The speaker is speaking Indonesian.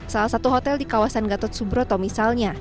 salah satu hotel di kawasan gatot subroto misalnya